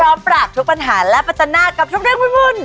พร้อมปรักทุกปัญหาและปัจจนาคกับช่องเท้นปุ่น